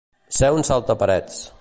Ser un saltaparets.